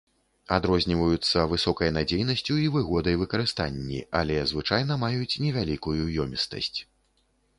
Адрозніваюцца высокай надзейнасцю і выгодай выкарыстанні, але звычайна маюць невялікую ёмістасць.